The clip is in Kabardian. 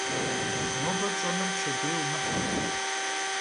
Нобэ пщӏэнур пщэдей умыхь.